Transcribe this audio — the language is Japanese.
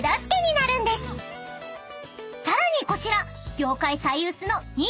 ［さらにこちら］